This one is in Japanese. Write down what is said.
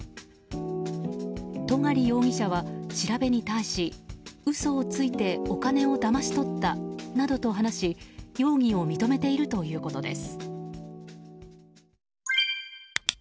戸狩容疑者は調べに対し嘘をついてお金をだまし取ったなどと話し容疑を認めているということです。